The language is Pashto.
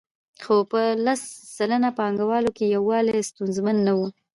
خو په لس سلنه پانګوالو کې یووالی ستونزمن نه وو